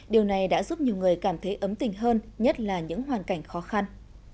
điều này đã giúp nhiều người cảm thấy ấm tình hơn nhất là những hoàn cảnh khó khăn